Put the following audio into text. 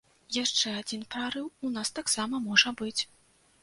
Яшчэ адзін прарыў у нас таксама можа быць.